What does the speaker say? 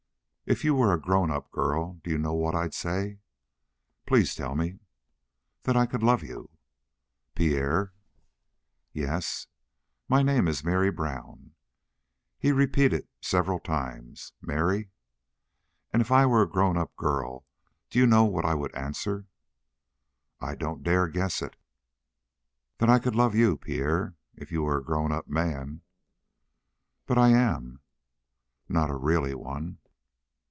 "If you were a grown up girl, do you know what I'd say?" "Please tell me." "That I could love you." "Pierre " "Yes." "My name is Mary Brown." He repeated several times: "Mary." "And if I were a grown up girl, do you know what I would answer?" "I don't dare guess it." "That I could love you, Pierre, if you were a grown up man." "But I am." "Not a really one."